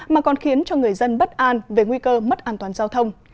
mà còn khiến cho người dân bất an về nguy cơ mất an toàn giao thông